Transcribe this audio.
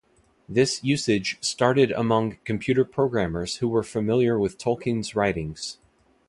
This usage started among computer programmers who were familiar with Tolkien's writings.